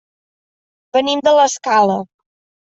Venim de l'Escala.